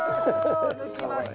抜きました。